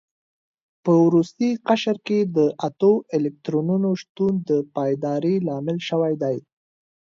په وروستي قشر کې د اتو الکترونونو شتون د پایداري لامل شوی دی.